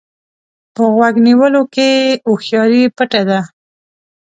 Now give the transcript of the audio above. په غوږ نیولو کې هوښياري پټه ده.